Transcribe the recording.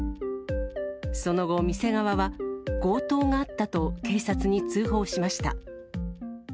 その後、店側は強盗があったと、警察に通報しました。